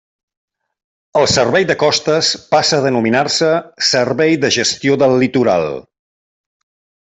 El Servei de Costes passa a denominar-se Servei de Gestió del Litoral.